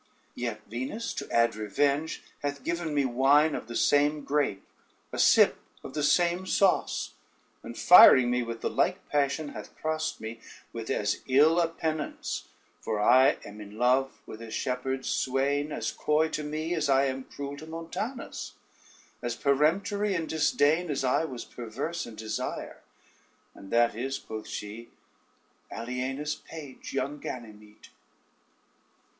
Yet Venus, to add revenge, hath given me wine of the same grape, a sip of the same sauce, and firing me with the like passion, hath crossed me with as ill a penance; for I am in love with a shepherd's swain, as coy to me as I am cruel to Montanus, as peremptory in disdain as I was perverse in desire; and that is," quoth she, "Aliena's page, young Ganymede."